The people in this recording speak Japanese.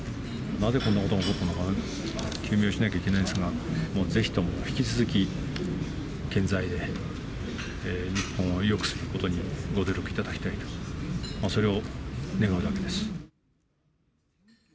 なぜこんなことが起こったのか、究明しなきゃいけないですが、もうぜひとも引き続き、健在で、日本をよくすることにご努力いただきたいと、それを願うだけです。